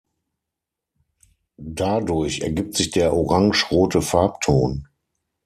Dadurch ergibt sich der orange-rote Farbton.